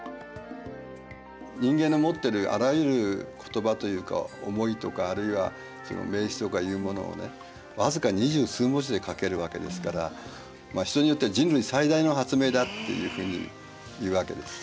人間の持ってるあらゆる言葉というか思いとかあるいは名詞とかいうものをねわずか２０数文字で書けるわけですから人によっては人類最大の発明だっていうふうに言うわけです。